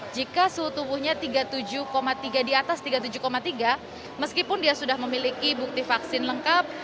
jika suhu tubuhnya tiga puluh tujuh tiga di atas tiga puluh tujuh tiga meskipun dia sudah memiliki bukti vaksin lengkap